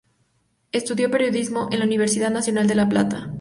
Estudió periodismo en la Universidad Nacional de La Plata.